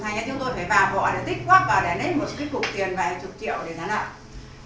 thì chúng tôi phải vào họ để tích quắc và để lấy một cái cục tiền vài chục triệu để giả nợ